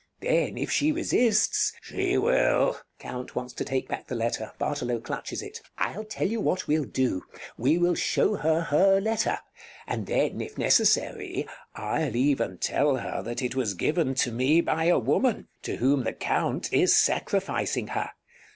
Then, if she resists Bartolo She will. Count [wants to take back the letter; Bartolo clutches it] I'll tell you what we'll do. We will show her her letter; and then, if necessary, [more mysteriously] I'll even tell her that it was given to me by a woman to whom the Count is sacrificing her.